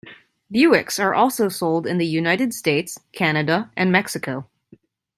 Buicks are also sold in the United States, Canada, and Mexico.